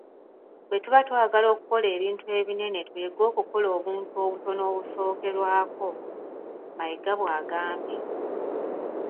"Bwetuba twagala okukola ebintu ebinene tuyige okukola obuntu obutono obusookerwako,” Mayiga bw'agambye.